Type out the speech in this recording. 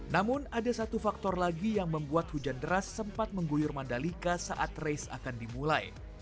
namun ada satu faktor lagi yang membuat hujan deras sempat mengguyur mandalika saat race akan dimulai